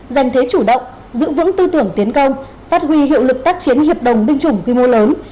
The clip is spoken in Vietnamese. dành thế chủ động giữ vững tư tưởng tiến công phát huy hiệu lực tác chiến hiệp đồng binh chủng quy mô lớn